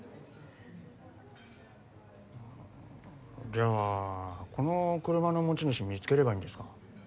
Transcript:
じゃあこの車の持ち主を見つければいいんですか？